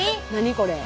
これ。